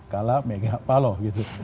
kalau mega pak loh gitu